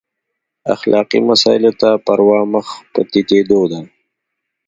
اخلاقي مسایلو ته پروا مخ په تتېدو ده.